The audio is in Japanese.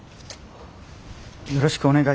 よろしくお願いします。